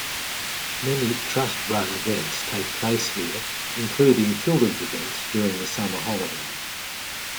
Many Trust-run events take place here, including children's events during the summer holidays.